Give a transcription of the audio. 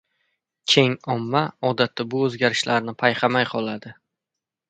Keng omma odatda bu oʻzgarishlarni payqamay qoladi.